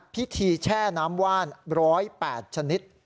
แช่น้ำว่าน๑๐๘ชนิด